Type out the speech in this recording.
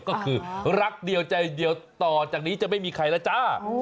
ก็คือรักเดียวใจเดียวต่อจากนี้จะไม่มีใครแล้วจ้า